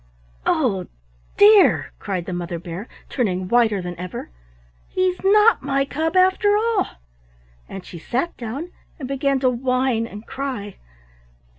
oh dear!" cried the Mother Bear, turning whiter than ever. "He's not my cub after all," and she sat down and began to whine and cry.